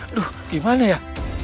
aduh gimana ya